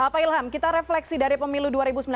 pak ilham kita refleksi dari pemilu dua ribu sembilan belas